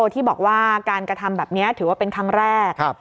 ที่บอกว่าการกระทำแบบนี้ถือว่าเป็นครั้งแรก